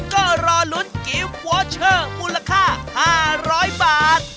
ก็รอลุ้นกิฟต์วอเชอร์มูลค่า๕๐๐บาท